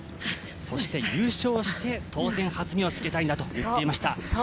そして優勝して当然弾みをつけたいんだと言っていました。